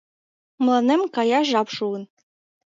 Мыланем каяш жап шуын.